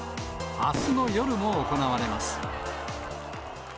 あすの夜も行われます。